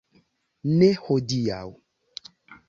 Ne hodiaŭ.